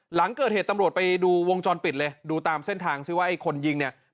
หลังเกิดเหตุตำรวจไปดูวงจรปิดเลยดูตามเส้นทางซิว่าไอ้คนยิงเนี่ย